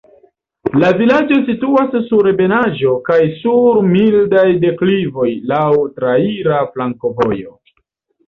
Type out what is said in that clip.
La vilaĝo situas sur ebenaĵo kaj sur mildaj deklivoj, laŭ traira flankovojo.